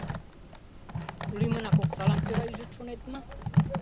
Лӱмынак оксалан кӧра ӱжыт, шонет мо?